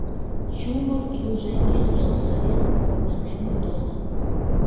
Чумыр Южэҥер ялсовет погынен толын.